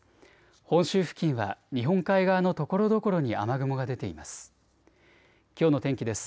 本州付近は日本海側のところどころに雨雲が出ています。